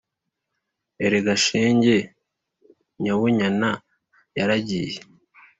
“Erega shenge, Nyabunyana yaragiye,